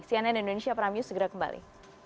cnn indonesia pramu segera kembali